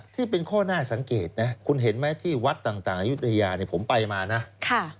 ที่เป็นข้อน่าสังเกตนะคุณเห็นไหมที่วัดต่างอายุทยาเนี่ยผมไปมานะ